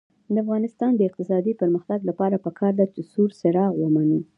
د افغانستان د اقتصادي پرمختګ لپاره پکار ده چې سور څراغ ومنو.